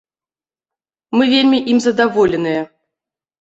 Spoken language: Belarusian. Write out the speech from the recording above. Мы вельмі ім задаволеныя.